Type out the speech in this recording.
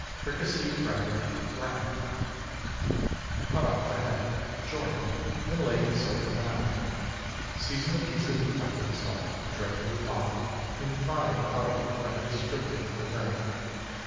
FRICASSEED RABBIT. (Brown.) Cut off the head—joint, and lay in soak for an hour. Season the pieces with pepper and salt, dredge with flour, and fry in butter or nice dripping until brown.